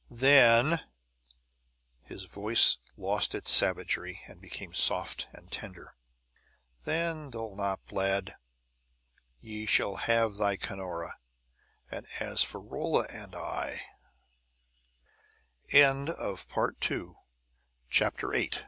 "Then" his voice lost its savagery, and became soft and tender "then, Dulnop, lad, ye shall have thy Cunora; and as for Rolla and I " Corrus turned and walked away, th